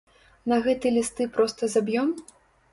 На гэты лісты проста заб'ём?